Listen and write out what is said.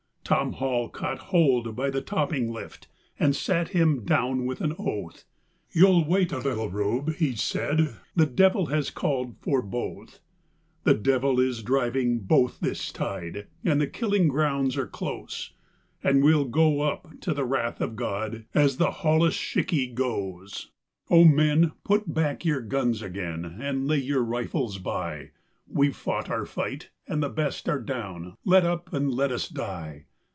Tom Hall caught hold by the topping lift, and sat him down with an oath, "You'll wait a little, Rube," he said, "the Devil has called for both. The Devil is driving both this tide, and the killing grounds are close, And we'll go up to the Wrath of God as the holluschickie goes. O men, put back your guns again and lay your rifles by, We've fought our fight, and the best are down. Let up and let us die!